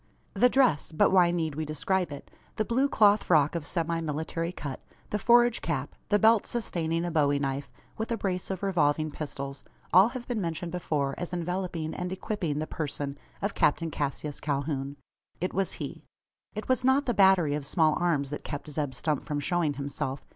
The dress but why need we describe it? The blue cloth frock of semi military cut the forage cap the belt sustaining a bowie knife, with a brace of revolving pistols all have been mentioned before as enveloping and equipping the person of Captain Cassius Calhoun. It was he. It was not the batterie of small arms that kept Zeb Stump from showing himself.